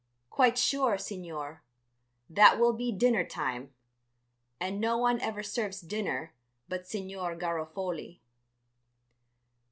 "Quite sure, Signor. That will be dinner time, and no one ever serves dinner but Signor Garofoli."